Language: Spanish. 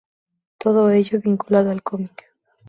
Todo ello vinculado al cómic.